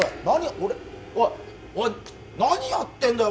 俺おいッ何やってんだよ